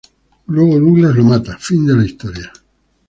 Luego Douglas lo mata fin de la historia.